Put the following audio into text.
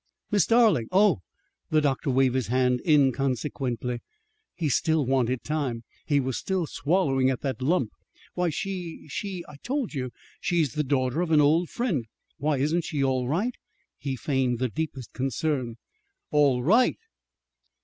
"Miss Darling! Oh!" The doctor waved his hand inconsequently. He still wanted time. He was still swallowing at that lump. "Why, she she I told you. She's the daughter of an old friend. Why, isn't she all right?" He feigned the deepest concern. "_All right!